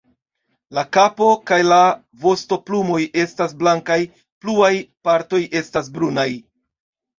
La kapo kaj la vostoplumoj estas blankaj, pluaj partoj estas brunaj.